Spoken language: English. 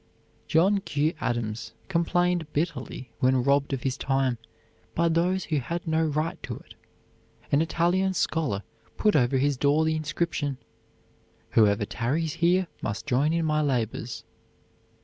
John Q. Adams complained bitterly when robbed of his time by those who had no right to it. An Italian scholar put over his door the inscription: "Whoever tarries here must join in my labors."